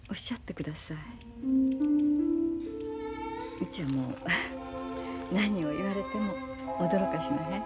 うちはもう何を言われても驚かしまへん。